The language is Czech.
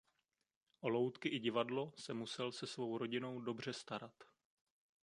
O loutky i divadlo se musel se svou rodinou dobře starat.